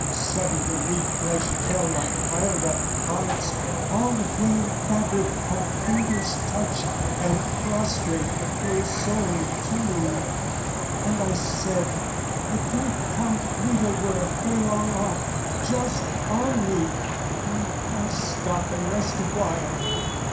"Sudden the weak flesh fell like piled up cards, "All the frail fabric at a finger's touch, "And prostrate the poor soul too, and I said, "'But though Count Guido were a furlong off, "'Just on me, I must stop and rest awhile!'